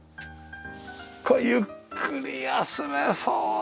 これゆっくり休めそうですね！